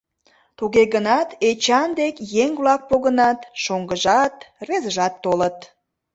Туге гынат Эчан дек еҥ-влак погынат, шоҥгыжат, рвезыжат толыт.